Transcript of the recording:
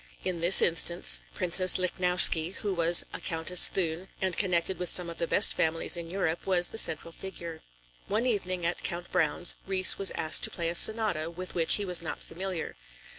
In this instance. Princess Lichnowsky, who was a Countess Thun, and connected with some of the best families in Europe, was the central figure. One evening at Count Browne's, Ries was asked to play a sonata with which he was not familiar.